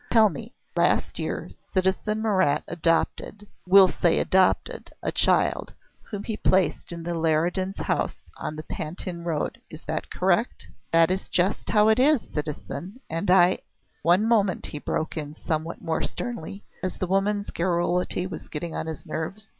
"Tell me. Last year citizen Marat adopted we'll say adopted a child, whom he placed in the Leridans' house on the Pantin road. Is that correct?" "That is just how it is, citizen. And I " "One moment," he broke in somewhat more sternly, as the woman's garrulity was getting on his nerves.